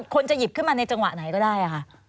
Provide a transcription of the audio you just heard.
คนจะหยิบขึ้นมาในจังหวะไหนก็ได้ค่ะ